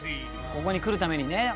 ここに来るためにね。